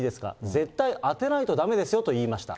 絶対当てないとだめですよと言いました。